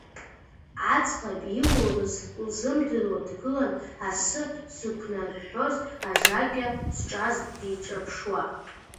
Аӡӷаб илурыз лзымдыруа дгылан, асы зықәнарҳәҳәоз ажакьа зҿаз диҿаԥшуа.